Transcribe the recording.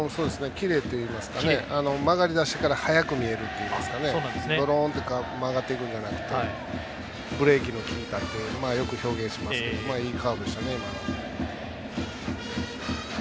キレっていいますか曲がりだしから速く見えるっていうかごろっと曲がっていくのではなくてブレーキの利いたってよく表現しますけどいいカーブでしたね。